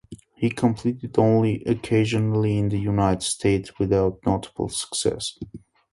He competed only occasionally in the United States, without notable success.